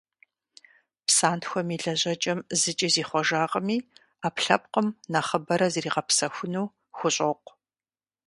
Псантхуэм и лэжьэкӀэм зыкӀи зихъуэжакъыми, Ӏэпкълъэпкъым нэхъыбэрэ зригъэгъэпсэхуну хущӀокъу.